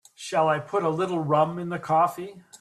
Shall I put a little rum in the coffee?